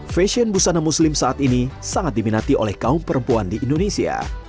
fashion busana muslim saat ini sangat diminati oleh kaum perempuan di indonesia